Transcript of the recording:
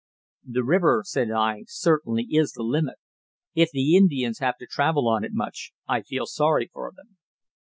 "The river," said I, "certainly is the limit. If the Indians have to travel on it much, I feel sorry for them."